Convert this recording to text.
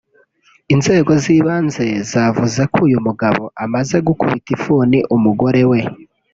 Inzego z’ibanze zavuze ko uyu mugabo amaze gukubita ifuni umugore we